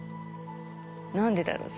何でだろう